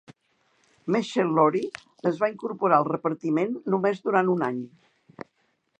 Meshel Laurie es va incorporar al repartiment només durant un any.